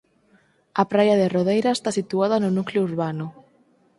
A praia de Rodeira está situada no núcleo urbano.